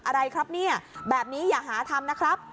อะไรครับเนี่ยแบบนี้อย่าหาทำนะครับ